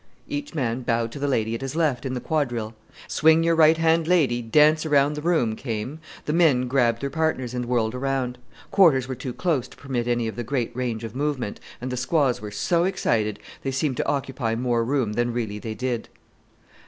Each man bowed to the lady at his left in the quadrille: and when "Swing your right hand lady; dance around the room" came, the men grabbed their partners and whirled around quarters were too close to permit of any great range of movement, and the squaws were so excited, they seemed to occupy more room than really they did.